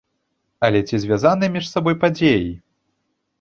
Але ці звязаныя між сабой падзеі?